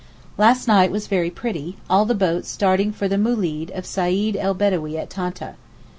Last night was very pretty—all the boats starting for the moolid of Seyd el Bedawee at Tanta.